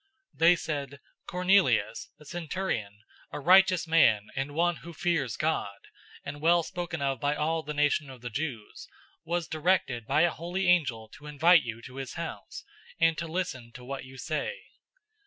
010:022 They said, "Cornelius, a centurion, a righteous man and one who fears God, and well spoken of by all the nation of the Jews, was directed by a holy angel to invite you to his house, and to listen to what you say."